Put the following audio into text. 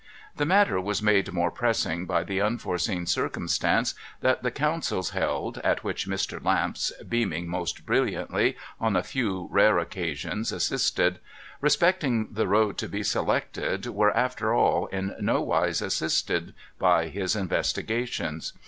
The matter was made more pressing by the unforeseen circum stance that the councils held (at which Mr. Lamps, beaming most brilliantly, on a few rare occasions assisted) respecting the road to be selected were, after all, in nowise assisted by his investigations.